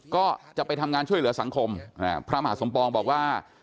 ก็จะไปทำงานช่วยเหลือสังคมพระมหาสมปองบอกว่า